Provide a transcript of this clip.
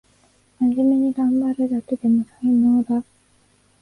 まじめにがんばるだけでも才能だ